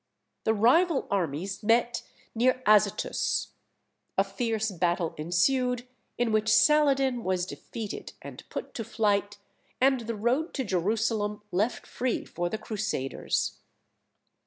The rival armies met near Azotus. A fierce battle ensued, in which Saladin was defeated and put to flight, and the road to Jerusalem left free for the Crusaders.